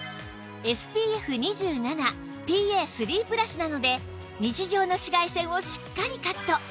しかもＳＰＦ２７ＰＡ＋＋＋ なので日常の紫外線をしっかりカット